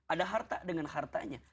ada harta dengan hartanya